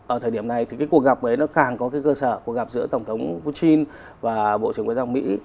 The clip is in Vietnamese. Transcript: ở thời điểm này thì cái cuộc gặp ấy nó càng có cái cơ sở cuộc gặp giữa tổng thống putin và bộ trưởng ngoại giao mỹ